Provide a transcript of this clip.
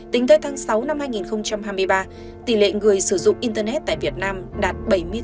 tính tới tháng sáu năm hai nghìn hai mươi ba tỷ lệ người sử dụng internet tại việt nam đạt bảy mươi tám năm mươi chín